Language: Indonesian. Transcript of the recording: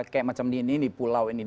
kayak macam di ini di pulau ini